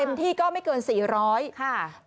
เต็มที่ก็ไม่เกิน๔๐๐บาท